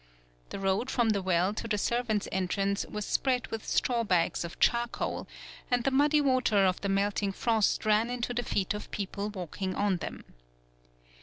The road from the well to the serv ants' entrance was spread with straw bags of charcoal, and the muddy water of the melting frost ran into the feet of people walking on them.